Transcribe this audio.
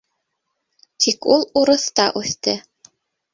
Тик ул урыҫта үҫте.